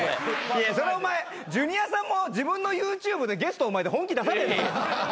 いやそりゃお前ジュニアさんも自分のＹｏｕＴｕｂｅでゲストの前で本気出さねえだろ。